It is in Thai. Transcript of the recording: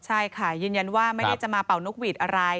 ใช่ค่ะยืนยันว่าไม่ได้จะมาเป่านกหวีดอะไร